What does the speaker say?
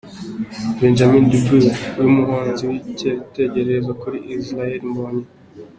Benjamin Dube ni we muhanzi w'icyitegererezo kuri Israel Mbonyi.